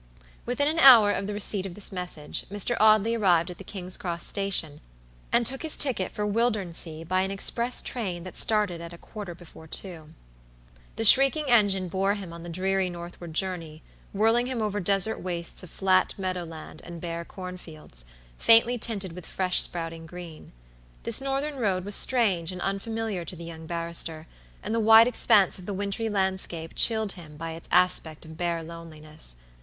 Within an hour of the receipt of this message, Mr. Audley arrived at the King's cross station, and took his ticket for Wildernsea by an express train that started at a quarter before two. The shrieking engine bore him on the dreary northward journey, whirling him over desert wastes of flat meadow land and bare cornfields, faintly tinted with fresh sprouting green. This northern road was strange and unfamiliar to the young barrister, and the wide expanse of the wintry landscape chilled him by its aspect of bare loneliness.